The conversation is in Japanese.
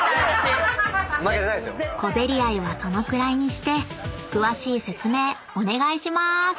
［小競り合いはそのくらいにして詳しい説明お願いしまーす］